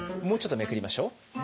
もうちょっとめくりましょう。